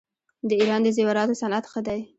د ایران د زیوراتو صنعت ښه دی.